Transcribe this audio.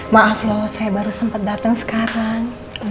maaf lo saya baru sempet dateng sekarang